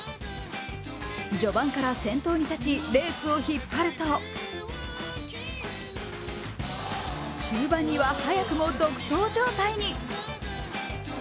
序盤から先頭に立ち、レースを引っ張ると中盤には早くも独走状態に。